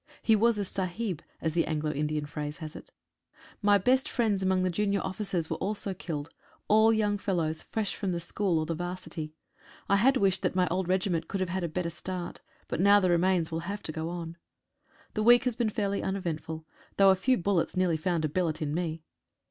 He was a Sahib, as the Anglo Indian phrase has 97 THEORY AND PRACTICE. it. My best friends among the junior officers were also killed — all young fellows fresh from school or the 'Varsity. I had wished that my old regiment could have had a better start, but now the remains will have to go on. The week has been fairly uneventful, though a few bullets nearly found a billet in me.